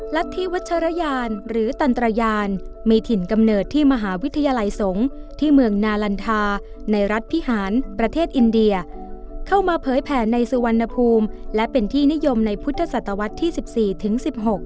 รัฐธิวัชรยานหรือตันตรยานมีถิ่นกำเนิดที่มหาวิทยาลัยสงฆ์ที่เมืองนาลันทาในรัฐพิหารประเทศอินเดียเข้ามาเผยแผ่ในสุวรรณภูมิและเป็นที่นิยมในพุทธศตวรรษที่๑๔ถึง๑๖